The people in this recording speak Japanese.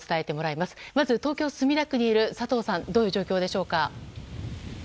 まず東京・墨田区にいる佐藤さんどういう状況でしょうか。